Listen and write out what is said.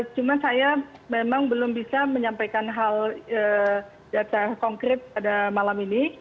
cuma saya memang belum bisa menyampaikan hal data konkret pada malam ini